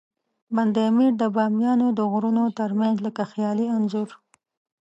بند امیر د بامیانو د غرونو ترمنځ لکه خیالي انځور.